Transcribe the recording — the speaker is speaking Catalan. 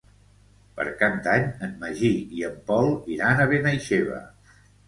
Per Cap d'Any en Magí i en Pol iran a Benaixeve.